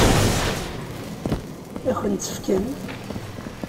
Ad kent-t-fken?